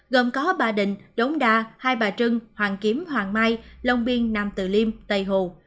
gồm có bà định đống đa hai bà trưng hoàng kiếm hoàng mai lông biên nam tự liêm tây hồ